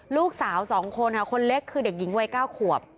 ลูกสาว๒คนค่ะคนเล็กคือเด็กหญิงวัย๙ขวบ